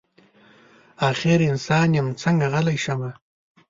اخر انسان یم څنګه غلی شمه.